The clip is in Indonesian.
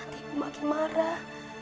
nanti ibu makin marah